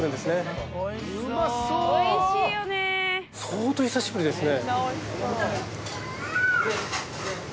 相当久しぶりですね。